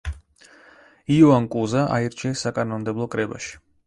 იოან კუზა აირჩიეს საკანონმდებლო კრებაში.